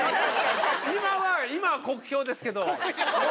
今は今は酷評ですけど。